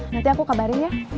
nanti aku kabarin ya